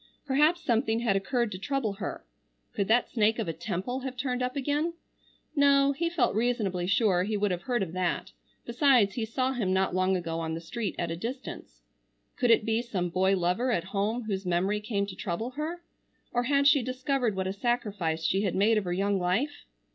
Perhaps something had occurred to trouble her. Could that snake of a Temple have turned up again? No, he felt reasonably sure he would have heard of that, besides he saw him not long ago on the street at a distance. Could it be some boy lover at home whose memory came to trouble her? Or had she discovered what a sacrifice she had made of her young life?